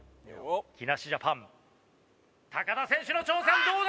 木梨ジャパン田選手の挑戦どうだ？